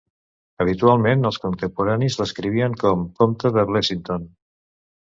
Habitualment els contemporanis l'escrivien com "Comte de Blesinton".